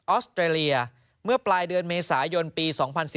อสเตรเลียเมื่อปลายเดือนเมษายนปี๒๐๑๙